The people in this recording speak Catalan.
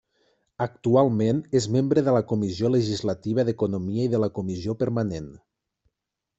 Actualment és membre de la Comissió Legislativa d'Economia i de la Comissió Permanent.